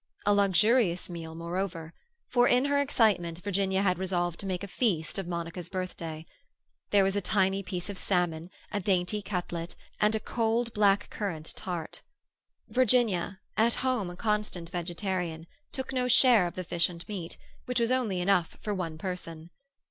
A luxurious meal, moreover; for in her excitement Virginia had resolved to make a feast of Monica's birthday. There was a tiny piece of salmon, a dainty cutlet, and a cold blackcurrant tart. Virginia, at home a constant vegetarian, took no share of the fish and meat—which was only enough for one person.